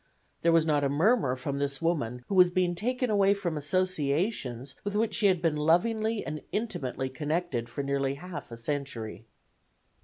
There was not a murmur from this woman who was being taken away from associations with which she had been lovingly and intimately connected for nearly half a century.